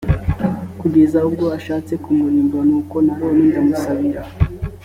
kugeza ubwo ashatse kumurimbura; nuko n’aroni ndamusabira.